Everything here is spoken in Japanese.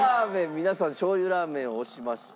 皆さんしょう油ラーメンを推しました。